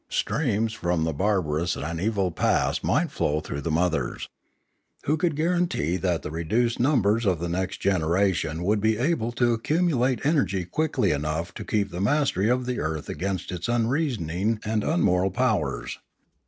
Streams from the barbarous and evil past might flow through the mothers. Who could guarantee that the reduced numbers of the next gen eration would be able to accumulate energy quickly enough to keep the mastery of the earth against its unreasoning and unmoral powers?